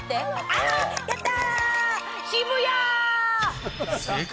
あっやった！